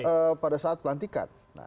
nah itu pada saat pelantikan